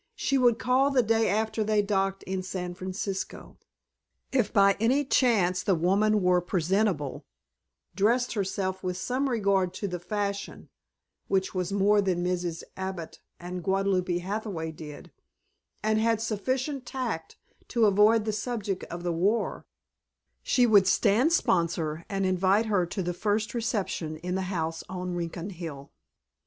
She would call the day after they docked in San Francisco. If, by any chance, the woman were presentable, dressed herself with some regard to the fashion (which was more than Mrs. Abbott and Guadalupe Hathaway did), and had sufficient tact to avoid the subject of the war, she would stand sponsor and invite her to the first reception in the house on Rincon Hill.